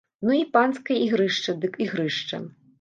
Ну і панскае ігрышча дык ігрышча!